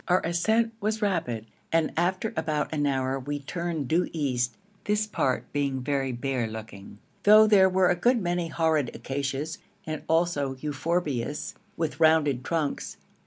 Our ascent was rapid, and after about an hour we turned due east, this part being very bare looking, though there were a good many horrid acacias and also euphorbias with rounded trunks.